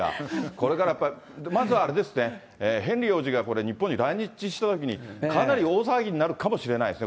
これがやっぱり、まずはあれですね、ヘンリー王子が日本に来日したときに、かなり大騒ぎになるかもしれないですね。